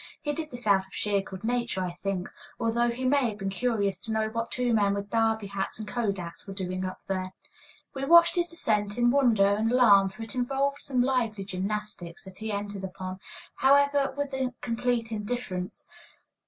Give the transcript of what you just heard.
He did this out of sheer good nature, I think, although he may have been curious to know what two men with derby hats and kodaks were doing up there. We watched his descent in wonder and alarm, for it involved some lively gymnastics, that he entered upon, however, with complete indifference.